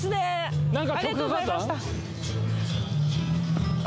ありがとうございましたあ